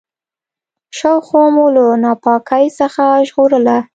شاوخوا مو له ناپاکۍ څخه وژغورله.